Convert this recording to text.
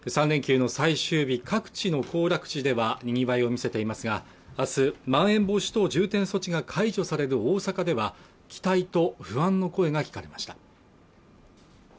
３連休の最終日各地の行楽地ではにぎわいを見せていますがあすまん延防止等重点措置が解除される大阪では期待と不安の声が聞かれました